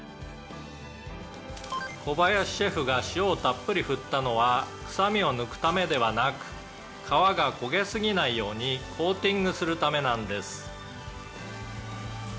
「小林シェフが塩をたっぷり振ったのは臭みを抜くためではなく皮が焦げすぎないようにコーティングするためなんです」